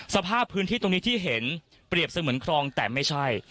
สภาพพื้นที่ตรงนี้ที่เห็นเปรียบเสมือนครองแต่ไม่ใช่